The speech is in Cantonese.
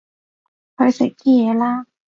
去食啲嘢啦